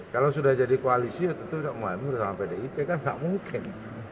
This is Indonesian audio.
kalau sudah jadi koalisi itu tuh gus mohi ini bersama pdip kan enggak mungkin